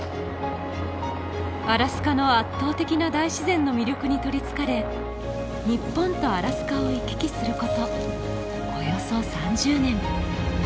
アラスカの圧倒的な大自然の魅力に取りつかれ日本とアラスカを行き来することおよそ３０年。